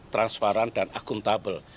transparan dan akuntabel